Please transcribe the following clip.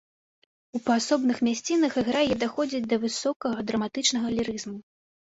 У паасобных мясцінах ігра яе даходзіць да высокага драматычнага лірызму.